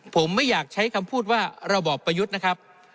ผมไม่อยากใช้คำพูดว่าระบอบประยุทธ์นะครับ